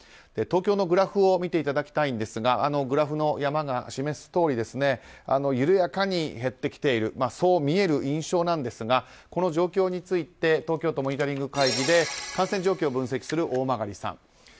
東京のグラフを見ていただきたいんですがグラフの山が示すとおり緩やかに減ってきているそう見える印象ですがこの状況について東京都モニタリング会議で感染状況を分析する大曲さん